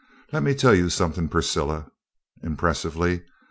"Let me tell you something, Priscilla," impressively.